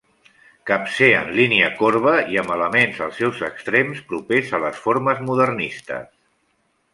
Capcer en línia corba i amb elements als seus extrems propers a les formes modernistes.